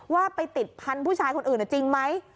ว่าไปติดพันธุ์ผู้ชายคนอื่นจริงไหม